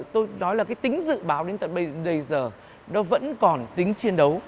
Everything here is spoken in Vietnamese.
tôi nói là cái tính dự báo đến tận bây giờ nó vẫn còn tính chiến đấu